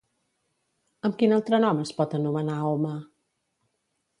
Amb quin altre nom es pot anomenar Homa?